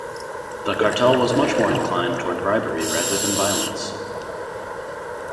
The cartel was much more inclined toward bribery rather than violence.